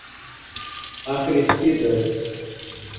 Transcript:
acrescidas